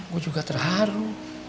gua juga terharu